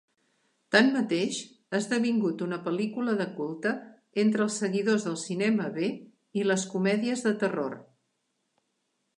Tanmateix, ha esdevingut una pel·lícula de culte entre els seguidors del cinema B i les comèdies de terror.